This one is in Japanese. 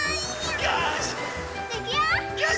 よし！